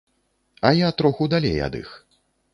А я троху далей ад іх.